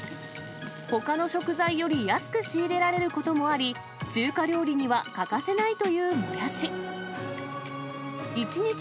ほかの食材より安く仕入れられることもあり、中華料理には欠かせないというもやし。